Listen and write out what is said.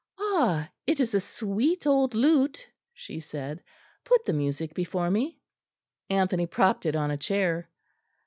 "Ah! it is a sweet old lute," she said. "Put the music before me." Anthony propped it on a chair.